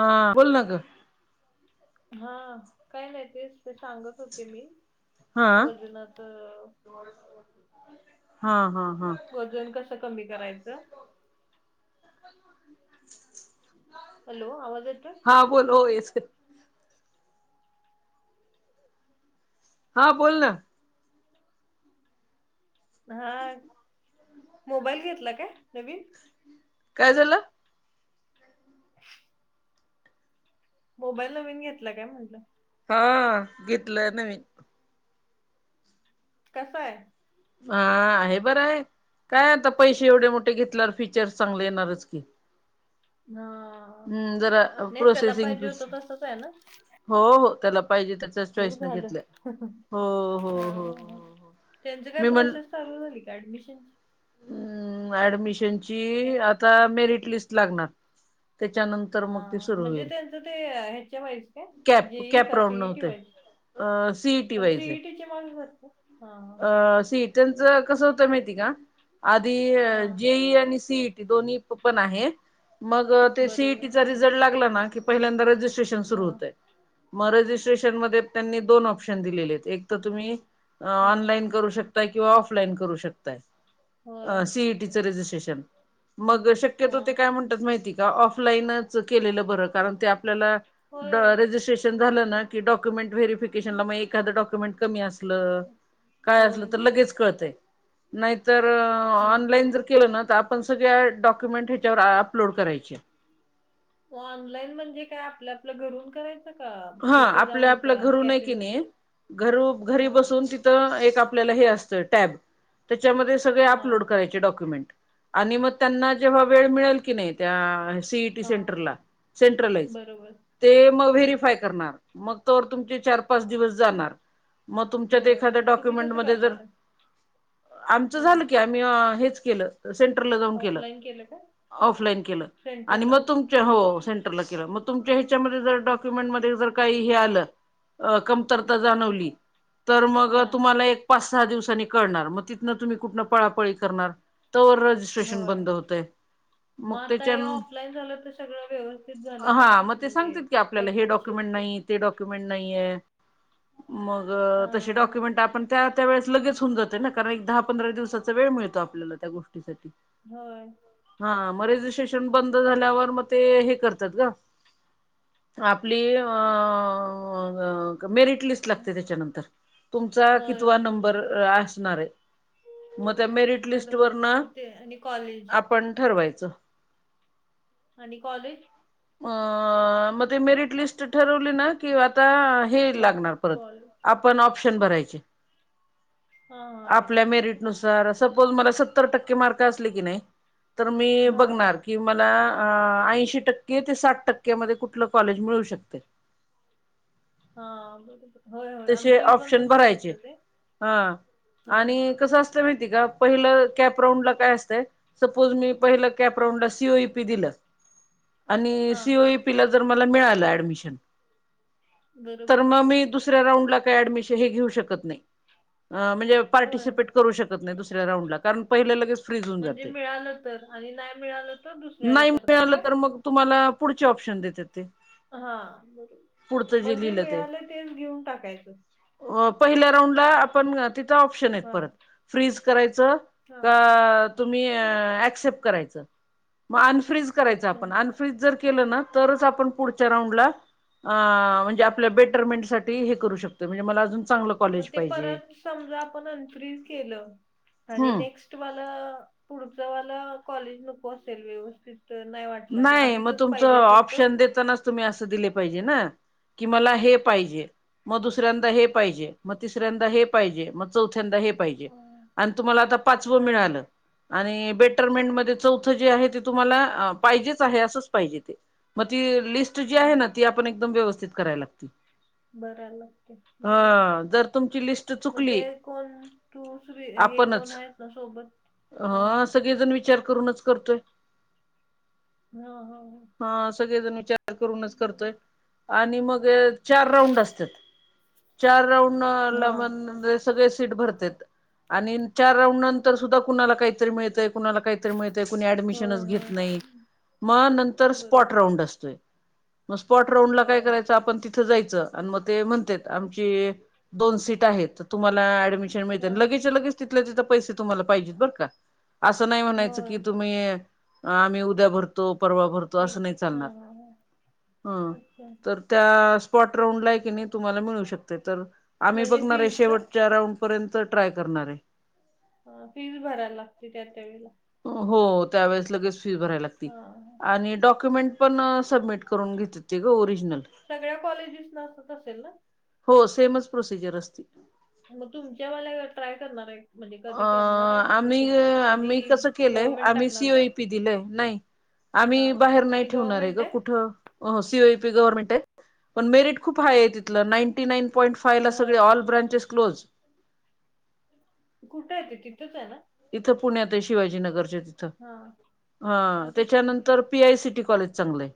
हा बोलन ग. हा काय नाही तेच ते सांगत होते मी हा वजनाच अ हा हा हा. वजन कसं कमी करायचं. हॅलो आवाज येतोय? हां बोलो ओ ए से. हा बोल ना. हा मोबाईल घेतला का नवीन? काय झालं. [unintelligible] मोबाईल नवीन घेतला काय म्हटलं. हा घेतलंय नवीन. कस आहे. हा आहे बरं आहे काय आता पैसे एवढे मोठे घेतल्यावर फीचर चांगले येणारच की. हा हम्म जरा नेत्याला प्रोसेसिंग पाहिजे होतं तस काय ना. हो हो त्याला पाहिजे त्याच्याच बघ चॉईसनं झालं घेतलंय हो हो हो हो त्यांचं काय मी प्रोसेस चालू झाली का ऍडमिशनची. हम् ऍडमिशनची आता मेरिट लिस्ट लागणार. त्याच्यानंतर हा मग ते सुरू म्हणजे होईल त्यांचं ते ह्याच्या वाईज काय कॅप जेई कॅप का राऊंड अ सीटी. सीईटी माग भरत. अ सीटनचं कसं होतं माहिती का. आधी हा जेई आणि सीईट दोन्ही पण आहे. मग ते बरोबर सीईटीचा रिझल्ट लागला ना की पहिल्यांदा रजिस्ट्रेशन सुरू हा होतय. मग रजिस्ट्रेशन मध्ये त्यांनी दोन ऑप्शन दिलेले आहेत एक तर तुम्ही हा ऑनलाईन करू शकताय किंवा ऑफलाईन करू होय. शकताय सीईटीचं रजिस्ट्रेशन मग शक्यतो ते हां. काय म्हणतात माहिती का ऑफलाईनच केलेलं बरं कारण ते आपल्याला होय. रजिट्रेन बरोबर. झालं की डॉक्यमेंट व्हेरीफिकेनला मग एा डक्युमेंट कमी असत. लं. होय. लगेच कळतंय नाहीतर हं. ऑनलाईन जर केलना. आपण सगळ्या डॉक्युमेंट हच्यावर अपलोड करायचे. ऑनलाईन म्हणजे काय आपल्या आपलं घरून करायचं का? हा तिथे आपल्या जाऊन आपल्या त्या घरू नाही की कॅफेमध्ये नाही घर घरी हां. बसून तिथ आपल्या हे असत टब त्याच्यामध्ये सगळे हां. अपलोड करायचे डॉक्युमेंट. आणि मग त्यांना जेव्हा वेळ मिळेल की नाही त्या [inaudible] ीी सें हां. बरोबर. सें मग व्हेारिफाय करणार मग त तुमचे चार पाच दिवस जाणार. मग तुमच्यात होय. एखाद्या मग तुम्ही डॉक्युमेंट कसं म जर करणार आहे? आमच होय. झालं की आ मी हेच केलं सेंटरला जाऊन केलं ऑफलाईन काय? ऑफलाइन केलं सेंटरला? सेंरला तुमच्या ह्याच्यामध्ये डॉक्युमेंट म का आलं अ कमतरता हां. जाणवली तर मग हां. तुम्हाला एक पाच सहा दिवसांनी कणार मग तिथ तुम्ही कुठ पळापळी करणार स्टेशन होय. बंद होते. मग आता त्या हे ऑफलाईन झालं तर सगळं व्यवस्थित झालं काय? हा मग ते सांग म्हणजे की आपल्या हे पद्धतशीर? डक्युमेंट ते डॉक्युमेंट नाहीत हां. तसे हां. डॉक्युमेंट आपण त्या त्या वेळेस लगेच होऊन जाते ना कारण एक दहा पंधरा दिवसाचा वेळ मिळतो आपल्याला त्या गोष्टीसाठी. होय. हा मग रेजिस्ट्रेशन बंद झाल्यावर मग ते हे करतात ग प्लीज [inaudible] मेरिट लिस्ट ला त्याच्यानंतर तुमचा होय. कितवा होय. नंबर असणार आहे. मग त्या मेरिट लिस्ट बरोबर. वर ना मग ते आणि कॉलेज? आपण ठरवायचं. आणि कॉलेज. अ मग ते मेरिट लिस्ट ठरवली ना कि आता हे मग लागणार परत कॉलेज आपण ऑप्शन भरायचे हा हा आपल्या बरोबर मेरिट सपोज मला सतर टक्के मार्क अस की नाही तर मी हा बघणार कि मला ऐंशी टक्के ते साठ टक्क्यामध्ये कुठलं कॉलेज मिळू शकते? हा बरोबर. होय होय तसे आमच्या पण ऑप्शन तसच भरायचे होतं ते ह होय आणि कस कस असत माहिती आहे का पहिलं कॅपब्राऊन ला काय असतं सपोज मी पहिलं कॅप हा रांऊडला सी ओ ई पी दिलं. आणि हा सी ओ ई पी ला जर मला मिळालं ऍडमिशन तर बरोबर मग मी दुस तसऱ्या रांऊड ला काही ऍडमिशन हे घेऊ शकत नाही म्हणजे होय पार्टिसिपेट करू शकत कोणत्या दुसऱ्या राऊंडला कारण पहिले लगेच फ्रीज होऊन म्हणजे जाते मिळालं तर आणि नाही मिळालं तर दुसऱ्याला नाही करणार मिळालं काय तर मग तुम्हाला पुढचे ऑप्शन देतात. हा बरोबर पुढचं जे म्हणजे लिहिलं मिळालं तेच घेऊन टाकायचं. अ पहिल्या राऊंडला आपण ओपशन आहेत हा परत फ्रीज करायच हा का तुम्ही ऑपसेप करायच मग अनफ्र्रीज करायच अच्छा आपण म अनफ्र्रीज जर केलं ना तरच आपण पुढच्या रांऊडला आ म्हणजे आपल्या बेटमेंटसाठी ते हे करू शकते म्हणजे मला अजून चांगलं मग ते पाहिजे परत समजा आपण अनफ्रिज केलं आणि हम्म नेक्स्ट मला पुढच वाल कॉलेज नको असेल व्यवस्थित तर नाही वाटलं आणि नाही मग आधीचच तुमचं पाहिजे असेल तर ऑप्शन देतानाच तुम्ही अस दिले पाहिजे ना की मला हे पाहिजे मग दुसऱ्यांदा हे पाहिजे, मग तिसऱ्यांदा हे पाहिजे, मग चौथ्यांदा हे पाहिजे हा आणि तुम्हाला आता पाचवं हा मिळालं आणि बेटरमेंटमध्ये चौथं जे आहे ते तुम्हाला पाहिजेच आहे असंच पाहिजे ते मग ती लिस्ट जी हा आहे ना हा ती आपण एकदम व्यवस्थित कराय लागते. बरालागते हा जर तुमची लिस्ट मग ते चुकली कोण तू हे कोण आपणच आहेत ना सोबत? ह लय जण विचार करूनच करतोय. हा ह ह.. हा सगळेजण विचार करूनच करतोय आणि मग चार राऊंड असतात. चार हा राऊंडला म्हणलेस सगळे शीट भरतत्यात आणि चार राऊंड नंतर सुद्धा कुणाला काहीतर मिळतेय. कुणाला काही मिळतंय मग कोण ऍडमिशन होय घेत होय नाही मग नंतर स्पॉट राऊंड स्पॉट बरोबर राऊंड असतंय मग स्पॉट राऊंडला काय होय करायच आपण तिथं जायचं अन म ते म्हणतात आमची दोन सीट आहेत तर तुम्हांला ऍडमिशन हा लगेच्या लगेच तिथल्या तिथं पैसे तुम्हाला पाहिजेत बर का. असं नाही म्हणायचं की होय तुम्ही आम्ही उद्या भरतो परवा भरतो तो नि असं नाही हा चालणार हा हा ह अच्छा तर त्या स्पॉट राऊंडला आहे की नाही तुम्हाला मिळू शकते तर आम्ही म्हणजे बघणार आहे फीज का शेवट शेवटच्या राऊंड पर्यंत ट्राय करणार आहे. ह फीज बी भरायला लागती त्या त्या वेळेला. हो त्यावेेळेस लगेच फी भरायला लागती हा हा. आणि डॉक्युमेंट पण सबमिट करून घेतेत ते ग ओरिजनल सगळ्या कॉलेजेसला असच असेल ना? हो सेमच प्रोसिजर असती. मग तुमच्या वाला ट्राय करणारय? अ आम्ही आधी आम्ही कसं केलंय गव्हर्नमेंट आम्ही टाकणार सी काय आओय पी दिलयं नाही हा आम्ही बाहेर नाही ते ठेवणारय गव्हर्नमेंट ग आहे कुठं? हो सीओयपी गव्हर्नमेंटय, पण मेरिट खूप हाय आहे तिथं नाईंटी नाईन पॉईंट फायला सगळे होय ऑल ब्रांचेस क्लोज कुठंय ते तिथंचय ना? इथं पुण्यातय शिवाजीनगरच्या तिथं, हा हा तेच की त्याच्यानंतर P I C T college चांगलंय.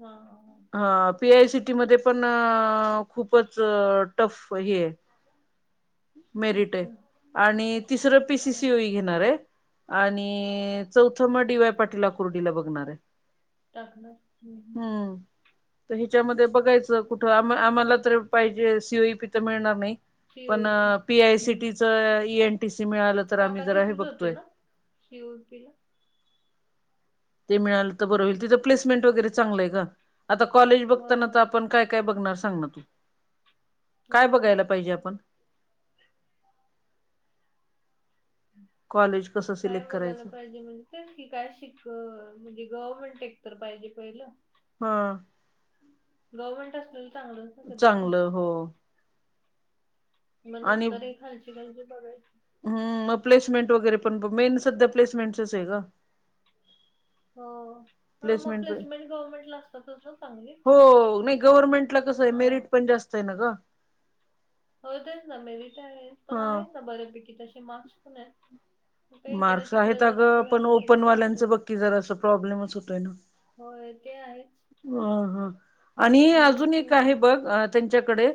हा हा ह हं पी आय सी टी मध्ये पण खूपच टफ हेय मेरिटय अच्छा आणि तिसरं पी सी हा सी ओ इ घेणारय आणि चौथं म डी वाय पाटील आकुर्डीला बघणारय टाकणार हं हं तर ह्याच्यामध्ये बघायचं कुठं आ आम्हाला तर पाहिजे सी ई ओ पी तर मिळणार नाही पण COEP P I C T हम्म चं एल टी सी मिळालं तर आम्ही काका जरा हे तिथेच होते बघतोय ना? शिव पिला ते मिळालं तर बरं होईल. तिथं प्लेसमेंट वगैरे चांगलंय, ग आता कॉलेज होय बघताना तर होय आपण काय काय बघणार सांग तु? हो काय बघायला पाहिजे आपण? कॉलेज कसं काय सिलेक्ट बघायला करायचं पाहिजे म? तेच की काय शिक म्हणजे गव्हर्नमेंट एक तर पाहिजे, पहिलं हा गव्हर्मेंट असलेलं चांगलं चांगलं हो मग नंतर हे खालची खालची [unintelligible] बघायची. हम्! प्लेसमेंट वगैरे पण मेन सध्या प्लेसमेंटचचय ग हो हा मग प्लेसमेंटचय प्लेसमेंट गव्हर्नमेंटला असतातच ना चांगली हो नाही गव्हर्नमेंटला कसंय? हा मेरीट फी पण जास्तय ना ग? हो तेच ना मेरिट आहेय पण हा आहेत ना बऱ्यापैकी तसे मार्क्स पण यत मार्क्स आहेत अगं पण चालते ओपनवाल्यांचं बघ की जरास प्रॉब्लेमच होतोय होय ते आहेच अ ह आणि जरा अजून एक आहे प्रॉब्लेम बघ? त्यांच्याकडे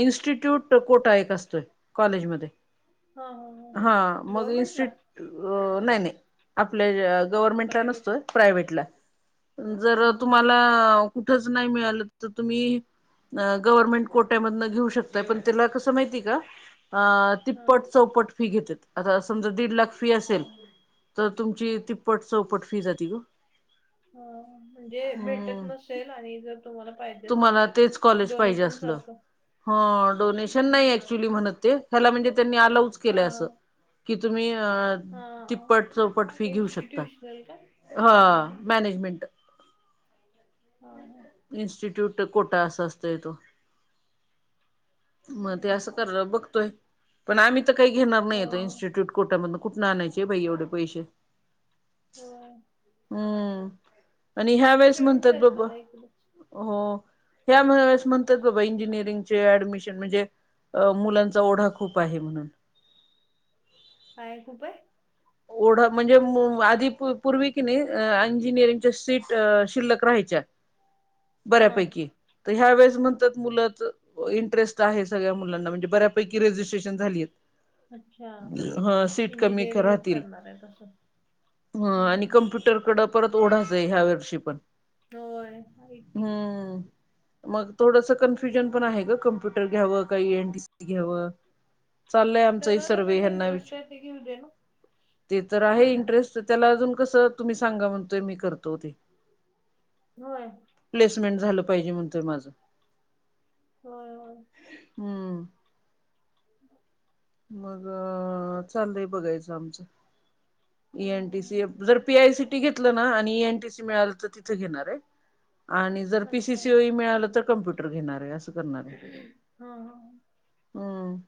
इन्स्टिट्यूट कोटा एक असतोय. कॉलेजमध्ये हा मग इन्स्टि अ, नाही नाही आपल्या गव्हर्मेंटला प्रायव्हेट नसतोय. प्रायव्हेटला जर हम्म तुम्हाला कुठच नाही मिळालं तर तुम्ही गव्हर्नमेंट कोट्यामधन घेऊ शकताय, पण त्याला कसं माहिती का? हा. तिप्पट चौपट फी घेतेत आता समजा दीड लाख फी असेल तर तुमची तिप्पट चौपट फी जाती वो हा, म्हणजे भेटत नसेल? आणि जर तुम्हाला पाहिजे असेल तुम्हाला तर तेच कॉलेज पाहिजे? डोनेशन असलं सारखं हा डोनेशन नाहीय हम्म. अँकच्युली म्हणत ते याला म्हणजे, त्यांनी आलाऊच हा हा कि तुम्ही अ हा तिप्पट चौपट फी घेऊ शकता? इन्स्टिट्युशनल का अं हा हं मॅनेजमेंट हा हा. इन्स्टिट्यूट कोटां असं असतोय तो... मंग ते हम्म. असं करं बघतोय पणं आम्हीं तरं कांहीं घेणारं नाहीं होय तो होय इन्स्टिट्यूट कोट्यांमधून कुंठून आणांयचे बाई एवढे पैसे होय हम्मं आणि ह्यां वेळेस म्हणतांत बाबां हम्मं हो ह्यांमुळेसं म्हणतांत बाबां इंजिनिअरिंगचे ऍडमिशन म्हणजे अं मुलांचा औंढा खूंप आहे म्हणूंन कायं खूंप आहे? औंढा म्हणजे आंधी पूर्वी की नाहीं इंजिनिअरिंगच्या सीट शिल्लक राहांयच्या. हा बऱ्यांपैकी तरं ह्यां वेळेस म्हणतांत मुलांचं इंटरेस्ट आहे सगळ्यां मुलांना म्हणजे बऱ्यांपैकी रेजिस्ट्रेशन झालीं आहेतं. अच्छा... कमी इंजिनिअरिंगच राहतील करणारं आहे. तसं हम्मं हम्मं ट्विटरकड परंत ओढाचंय ह्यां वर्षी पणं होयं माहिती मंग थोडंस कन्फ्युंजन पणं आहे कां कम्प्युंटर घ्यावं कांहीं ए एनटीसी घ्यांवं चालतं आमचां त्याला सर्वे कशात ह्यांना इंटरेस्ट विचय आहे ते घेऊ द्यां नां ते तरं आहे इंटरेस्ट तरं त्यांला अजूंन कसं तुम्हीं सांगा म्हणतोय मी करतो ते होयं प्लेसमेंट झालं पाहिजे म्हणतं माझं होयं होयं हम्मं बरं मंग चांलय बघायचं आमचं एनटीसी हम्म. जरं पीआय सीटी घेतलं नां आणि एनटीसी मिळालं तरं तिथं घेणारं आहे आणि जरं अच्छा हा पीसीसी ओई मिळालं तरं कम्प्युंटर घेणारं आहे असं करणारं आहे हा हम्मं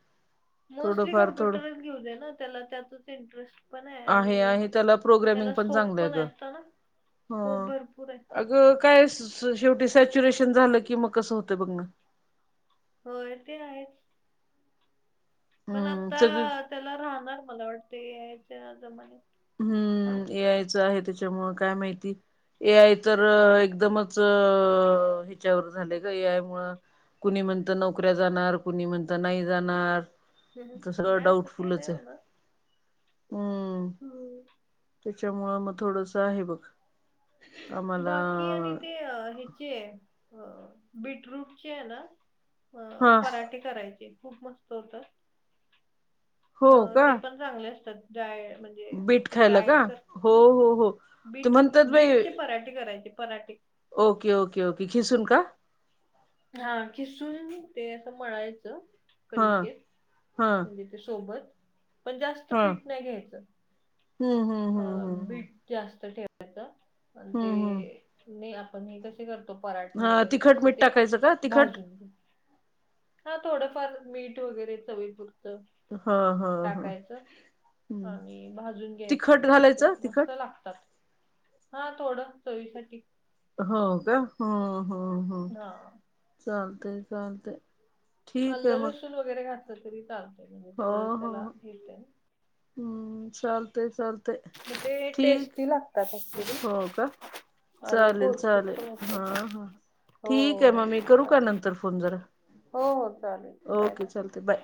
मोस्टली कम्प्युंटरचं घेऊ दे नां त्यांला त्यांतच इंटरेस्ट इंटरेस्ट पणं आहे आणि आहे त्याला प्रोग्रामिंग त्यांला पण स्कोप चांगलं आहे पणं ग आहेता नां स्कोप भरंपूर आहे कायं शेवटी सॅच्युरेशन झालं की मंग कसं होतं बघणं होयं ते आहेतं पणं हम्म आंता सगळी त्यांला राहणांर मलां वाटते यांच्या जमानेत हम्मं ए यायचं आहे त्यांच्यामुळे कायं माहिती ए आय तरं एकदमचं ह्यांच्यावर झांले गं ए आय मुळं कुंणी म्हणतं नोकऱ्यां जाणारं कुंणी म्हणतं नाहीं जाणारं हम्म. ते सगळं नाही असं काही नाही डाऊटफुंलच आहे हम्मं हम्मं त्यांच्यामुळे मंग थोडंस आहे बघं बाकी आणि ते ह्यांचे बीटरूंटचे आहे नां अं हा पराठे करायचे खूंप मस्तं होतात हो अं का ते पणं चांगले असतांत डाय म्हणजे बीट म्हणे म्हे खायला का डायट करतं हो नां हो हो ते बीट म्हणतात बाई बीटचे पराठे करायचे पराठे ओके ओके ओके खिसूंन कां हां खिसूंन ते असं म्हळायचं हा हा, तिथे सोबत पण जास्त पीठ नाही घ्यायचं. हम हम. अ बीट जास्त ठेवायच आणि ते हम्म हम्म नाही आप ''--'' आपण हे कसे करतो पराठे हा वगैरे तिखट तस मीठ ते टाकायचं का तिखट भाजून घे. हा थोडंफार मीठ वगैरे चवी पुुरतं. हा हा हा टाकायचं हम्म आणि भाजून घ्यायचं. तिखट मस्त घालायचं मस्त तिखट लागतात हा थोड चवीसाठी. हो का ह हो हो हां, चालत चालते. अल्लसुण वगैरे घातलं तरी चालतय म्हणजे हो तेवढंच हो त्याला हो येते. हम्म चालते चालते. ते टेस्टी लागतात अखरी. हो का आणि चालेल पौष्टिक चालेल पण हा असत. हा ठीक आहे हो मग मी करू का चालेल नंतर फोन जरा हो हो चालेल बाय ओके चालते बाय.